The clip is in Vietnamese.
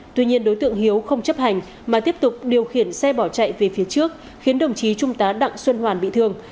tuy nhiên đối tượng hiếu không chấp hành mà tiếp tục điều khiển xe bỏ chạy về phía trước khiến đồng chí trung tá đặng xuân hoàn bị thương